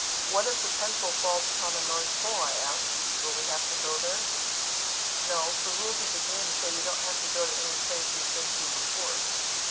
"What if the pencil falls upon the North Pole," I asked, "will we have to go there?" "No. The rules of the game say you don't have to go any place you've been to before.